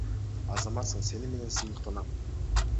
Азаматсың, сени менен сыймыктанам.